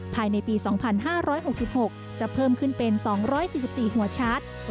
ภายในปี๒๕๖๖จะเพิ่มขึ้นเป็น๒๔๔หัวชัด